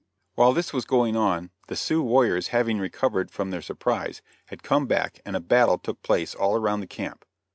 While this was going on, the Sioux warriors having recovered from their surprise, had come back and a battle took place all around the camp.